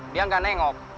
dia gak nengok